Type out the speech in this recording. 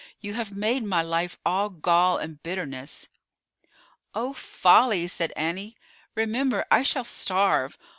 You have made my life all gall and bitterness." "Oh, folly!" said Annie. "Remember, I shall starve.